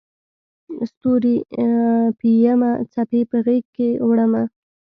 ستوري پېیمه څپې په غیږکې وړمه